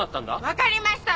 分かりました。